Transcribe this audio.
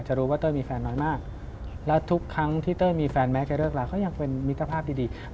รู้ว่าเต้ยมีแฟนน้อยมากและทุกครั้งที่เต้ยมีแฟนแม้จะเลิกลาก็ยังเป็นมิตรภาพดี